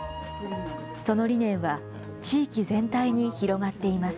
その理念は、地域全体に広がっています。